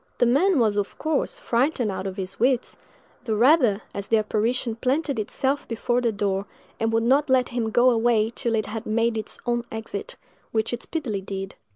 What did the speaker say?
The man was, of course, frightened out of his wits—the rather, as the apparition planted itself before the door, and would not let him go away till it had made its own exit, which it speedily did.